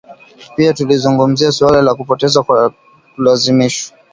Pia tulizungumzia suala la kupotea kwa kulazimishwa